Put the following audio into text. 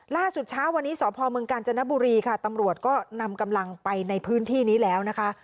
ล่าสุดเช้าวันนี้สพเมืองกาญจนบุรีค่ะตำรวจก็นำกำลังไปในพื้นที่นี้แล้วนะคะ